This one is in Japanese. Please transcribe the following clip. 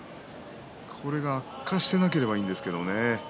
これが悪化していなければいいんですけどね。